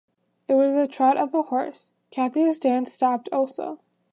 It was the trot of a horse; Cathy’s dance stopped also.